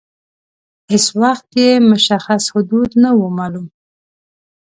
هیڅ وخت یې مشخص حدود نه وه معلوم.